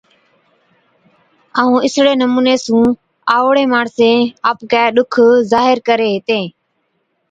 ائُون اِسڙي نمُوني سُون آئوڙين ماڻسين آپڪَي ڏُک ظاھِر ڪرين ھِتين